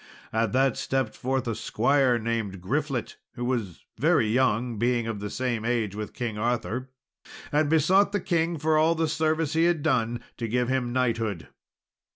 At that stepped forth a squire named Griflet, who was very young, being of the same age with King Arthur, and besought the king, for all the service he had done, to give him knighthood.